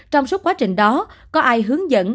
trong suốt quá trình đó có ai hướng dẫn